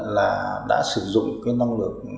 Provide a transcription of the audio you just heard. là đã sử dụng cái năng lượng